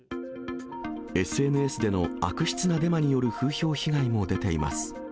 ＳＮＳでの悪質なデマによる風評被害も出ています。